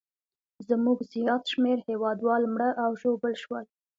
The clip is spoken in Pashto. زموږ زیات شمېر هیوادوال مړه او ژوبل شول.